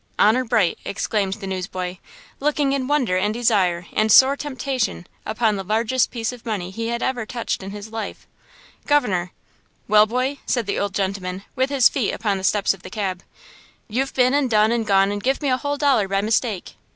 'Honor bright!' " exclaimed the newsboy, looking in wonder and desire and sore temptation upon the largest piece of money he had ever touched in his life. "Governor!" "Well, boy?" said the old gentleman, with his feet upon the steps of the cab. "You've been and done and gone and give me a whole dollar by mistake!"